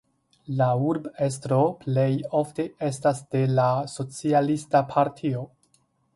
La urbestro plej ofte estas de la socialista partio.